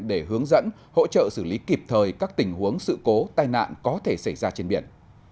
để hướng dẫn hỗ trợ xử lý kịp thời các tình huống sự cố tai nạn có thể xảy ra trên biển